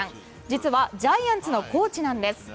実はジャイアンツのコーチなんです。